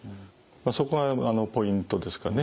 そこがポイントですかね。